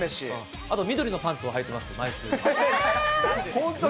あと緑のパンツをはいてます、本当に？